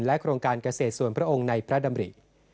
โครงการเกษตรส่วนพระองค์ในพระดำริ